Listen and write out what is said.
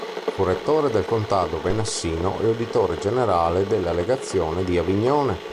Fu rettore del Contado Venassino e uditore generale della legazione di Avignone.